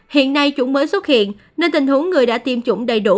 hiện nay chủng mới xuất hiện nên tình huống người đã tiêm chủng đầy đủ